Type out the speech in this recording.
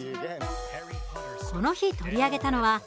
この日、取り上げたのは＃